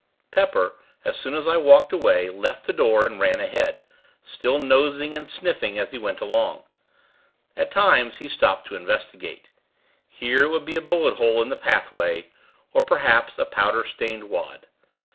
Pepper, as soon as I walked away, left the door, and ran ahead, still nosing and sniffing as he went along. At times, he stopped to investigate. Here, it would be a bullet hole in the pathway, or, perhaps, a powder stained wad.